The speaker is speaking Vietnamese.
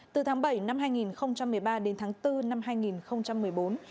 từ tháng bảy năm hai nghìn một mươi ba đến tháng bốn năm hai nghìn một mươi bốn